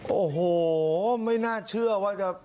โอ้โหไม่น่าเชื่อว่าจะ